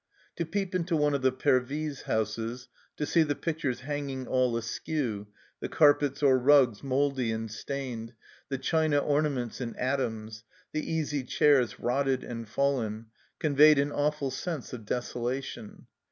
To peep into one of the Pervyse houses, to see the pictures hanging all askew, the carpets or rugs mouldy and stained, the china ornaments in atoms, the easy chairs rotted and fallen, conveyed an awful sense of desolation.